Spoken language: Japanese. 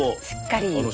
しっかり。